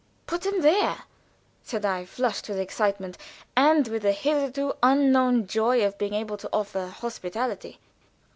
"Put him there!" said I, flushed with excitement, and with the hitherto unknown joy of being able to offer hospitality.